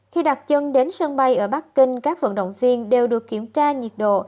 khi đặt chân đến sân bay ở bắc kinh các vận động viên đều được kiểm tra nhiệt độ